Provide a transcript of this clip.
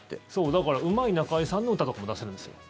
だからうまい中居さんの歌とかも出せるんですよ。